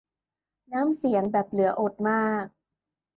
น้ำเสียงแบบเหลืออดมาก